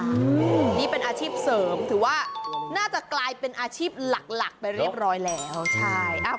อืมนี่เป็นอาชีพเสริมถือว่าน่าจะกลายเป็นอาชีพหลักหลักไปเรียบร้อยแล้วใช่อ้าว